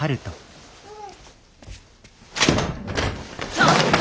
ちょっと！